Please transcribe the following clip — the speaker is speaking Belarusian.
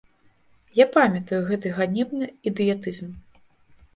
Я памятаю гэты ганебны ідыятызм.